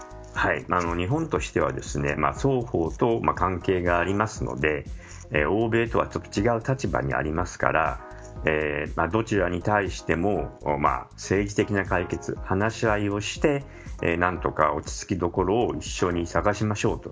日本としては双方と関係がありますので欧米とはちょっと違う立場にありますからどちらに対しても政治的な解決話し合いをして何とか落ち着きどころを一緒に探しましょうと。